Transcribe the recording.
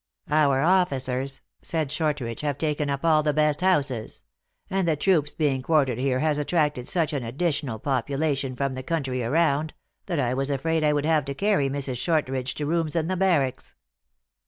" Our officers," said Shortridge, "have taken up all the best houses ; and the troops being quartered here has attracted such an additional population from the country around, that 1 was afraid I would have to carry Mrs. Shortridge to rooms in the barracks."